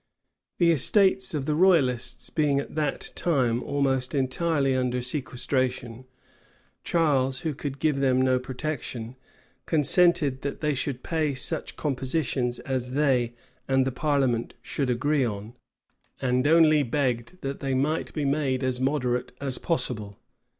The estates of the royalists being at that time almost entirely under sequestration, Charles who could give them no protection, consented that they should pay such compositions as they and the parliament should agree on; and only begged that they might be made as moderate as possible.